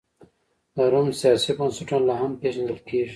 د روم سیاسي بنسټونه لا هم پېژندل کېږي.